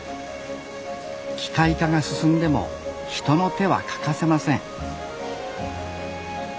機械化が進んでも人の手は欠かせません